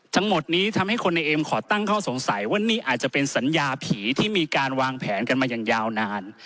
ทั้งหมดนี้ทำให้คนในเอ็มขอตั้งข้อสงสัยว่านี่อาจจะเป็นสัญญาผีที่มีการวางแผนกันมาอย่างยาวนาน